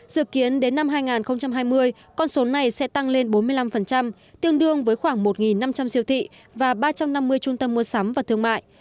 dự kiến đến năm hai nghìn hai mươi con số này sẽ tăng lên bốn mươi năm tương đương với khoảng một năm trăm linh siêu thị và ba trăm năm mươi trung tâm mua sắm và thương mại